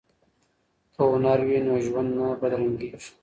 که هنر وي نو ژوند نه بدرنګیږي.